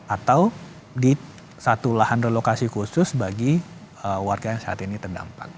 atau di satu lahan relokasi khusus bagi warga yang saat ini terdampak